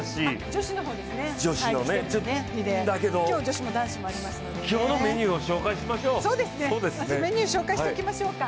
女子のね、だけど、今日のメニューを紹介しましょう。